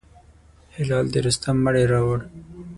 هلال د رستم مړی راووړ.